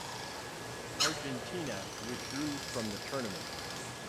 Argentina withdrew from the tournament.